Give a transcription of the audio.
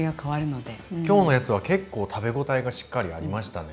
今日のやつは結構食べ応えがしっかりありましたね。